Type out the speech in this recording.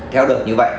theo đợi như vậy